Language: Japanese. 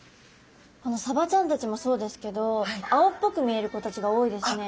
サバちゃんたちもそうですけど青っぽく見える子たちが多いですね。